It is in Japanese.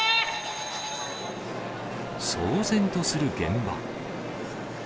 騒然とする現場。